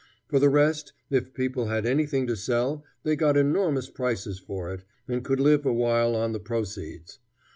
For the rest, if people had anything to sell, they got enormous prices for it, and could live a while on the proceeds.